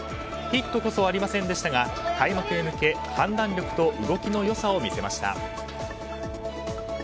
ヒットこそありませんでしたが開幕へ向け判断力と動きの良さを見せました。